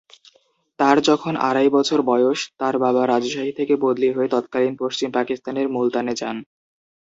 তার যখন আড়াই বছর বয়স তার বাবা রাজশাহী থেকে বদলি হয়ে তৎকালীন পশ্চিম পাকিস্তানের মুলতানে যান।